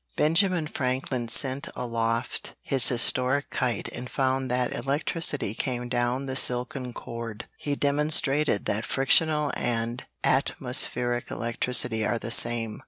Benjamin Franklin sent aloft his historic kite and found that electricity came down the silken cord. He demonstrated that frictional and atmospheric electricity are the same.